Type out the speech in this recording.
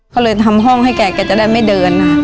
เขาเลยทำห้องให้แกแกจะได้ไม่เดินอะ